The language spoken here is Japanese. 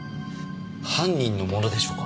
犯人のものでしょうか？